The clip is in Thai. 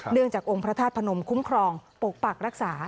จากองค์พระธาตุพนมคุ้มครองปกปักรักษา